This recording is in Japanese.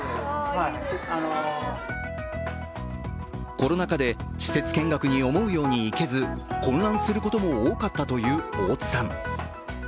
コロナ禍で施設見学に思うように行けず、混乱することも多かったという大津さん。